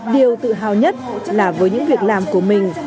điều tự hào nhất là với những việc làm của mình